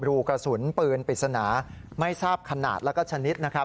รูกระสุนปืนปิดสนาไม่ทราบขนาดและชนิด